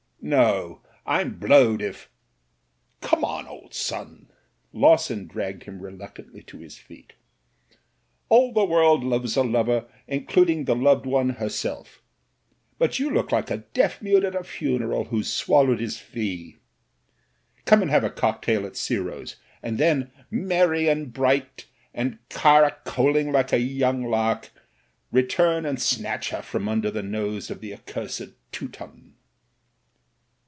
"No, rm blowed if 1" "Come on, old son." Lawson dragged him re luctantly to his feet "All the world loves a lover, including the loved one herself; but you look like a deaf mute at a funeral, who's swallowed his fee. Ccmie and have a cocktail at Giro's, and then, merry and bright and caracoling like a young lark, return and snatch her from under the nose of the accursed Teu ton."